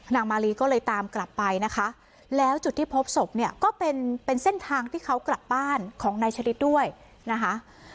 มาลีก็เลยตามกลับไปนะคะแล้วจุดที่พบศพเนี่ยก็เป็นเป็นเส้นทางที่เขากลับบ้านของนายชะลิดด้วยนะคะ